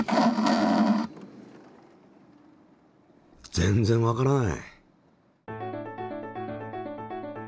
全然わからない。